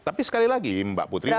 tapi sekali lagi mbak putri